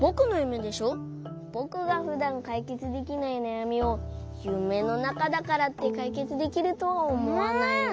ぼくがふだんかいけつできないなやみをゆめのなかだからってかいけつできるとはおもわないな。